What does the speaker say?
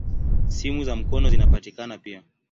Simu za mkono zinapatikana pia.